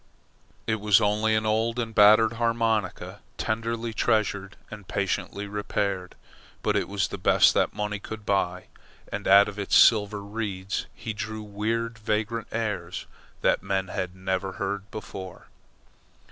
It was only an old and battered harmonica, tenderly treasured and patiently repaired; but it was the best that money could buy, and out of its silver reeds he drew weird vagrant airs that men had never heard before.